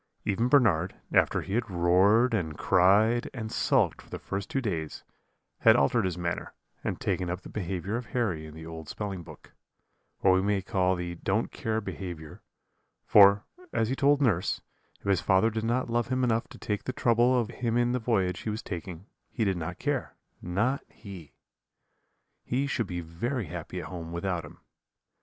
Even Bernard, after he had roared, and cried, and sulked for the first two days, had altered his manner, and taken up the behaviour of Harry in the old spelling book what we may call the don't care behaviour for, as he told nurse, if his father did not love him enough to take the trouble of him in the voyage he was taking, he did not care, not he; he should be very happy at home without him.